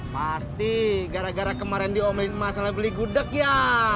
pasti gara gara kemarin diomelin masalah beli gudeg ya